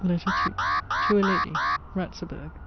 LETTER II To a lady. RATZEBURG.